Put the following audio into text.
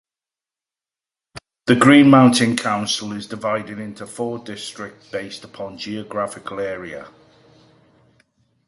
The Green Mountain Council is divided into four districts based upon geographical area.